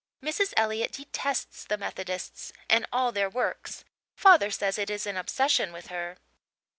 Mrs. Elliott detests the Methodists and all their works. Father says it is an obsession with her."